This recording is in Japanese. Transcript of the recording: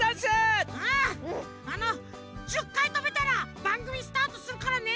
あの１０かいとべたらばんぐみスタートするからね！